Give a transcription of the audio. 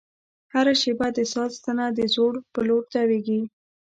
هره شېبه د ساعت ستنه د ځوړ په لور تاوېږي.